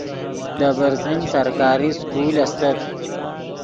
دے برزن سرکاری سکول استت